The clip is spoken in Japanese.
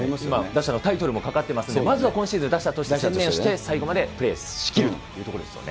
打者のタイトルもかかってますので、まずは今シーズン、打者として専念をして、最後までプレーしきるということですよね。